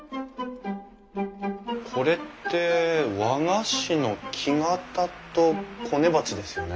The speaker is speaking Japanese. これって和菓子の木型とこね鉢ですよね？